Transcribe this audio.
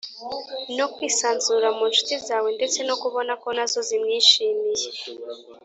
no kwisanzura mu nshuti zawe ndetse no kubona ko nazo zimwishimiye.